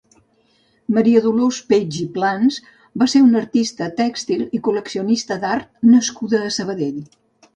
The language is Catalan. Maria Dolors Peig i Plans va ser una artista tèxtil i col·leccionista d'art nascuda a Sabadell.